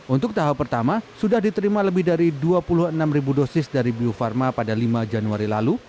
untuk tahap pertama sudah diterima lebih dari dua puluh enam dosis dari bio farma pada lima januari lalu